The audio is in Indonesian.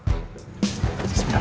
sebentar sebentar sebentar